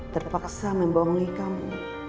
terpaksa membohongi kamu